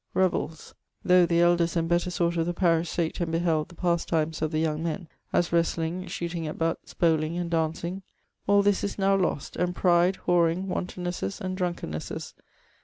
'Revels Tho the elders and better sort of the parish sate and beheld the pastimes of the young men, as wrastling, shooting at butts, bowling, and dancing. All this is now lost; and pride, whoreing, wantonnesses, and drunkennesses.